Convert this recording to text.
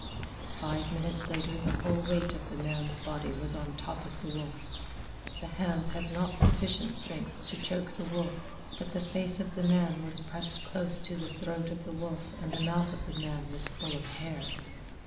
Five minutes later the whole weight of the man's body was on top of the wolf. The hands had not sufficient strength to choke the wolf, but the face of the man was pressed close to the throat of the wolf and the mouth of the man was full of hair.